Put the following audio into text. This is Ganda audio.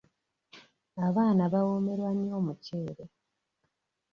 Abaana bawoomerwa nnyo omuceere.